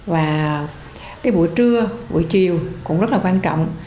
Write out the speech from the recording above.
và cái buổi trưa buổi chiều cũng rất là quan trọng